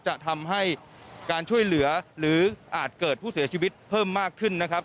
จะทำให้การช่วยเหลือหรืออาจเกิดผู้เสียชีวิตเพิ่มมากขึ้นนะครับ